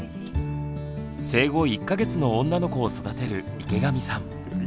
生後１か月の女の子を育てる池上さん。